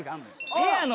ペアの。